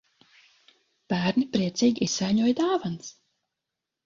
Bērni priecīgi izsaiņoja dāvanas.